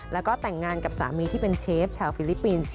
แล้วก็แต่งงานกับสามีที่เป็นเชฟชาวฟิลิปปินส์